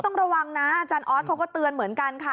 ต้องระวังนะอาจารย์ออสเขาก็เตือนเหมือนกันค่ะ